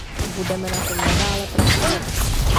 Budeme na tom nadále pracovat.